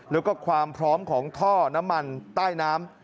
แล้วก็ความพร้อมของท่อน้ำมันใต้น้ำ